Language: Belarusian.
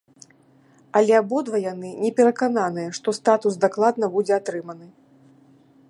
Але абодва яны не перакананыя, што статус дакладна будзе атрыманы.